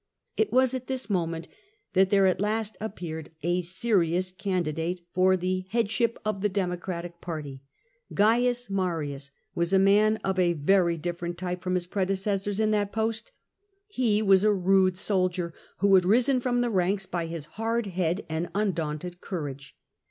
It was at this moment that there at last appeared a serious candidate for the headship of the Democratic party. Gains Marias was a man of a very different type 94 FROM THE GRACCHI TO SULLA from Hs predecessors in that post ; he was a rude soldier who had risen from the ranks by his hard head and un daunted courage.